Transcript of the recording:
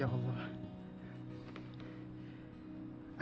aku akan mengeluarkan uang pribadiku